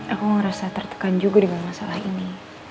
aku merasa tertekan juga dengan masalah ini